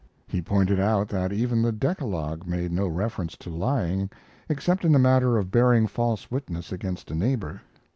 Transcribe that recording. He pointed out that even the Decalogue made no reference to lying, except in the matter of bearing false witness against a neighbor.